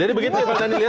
jadi begitu ya pak daniel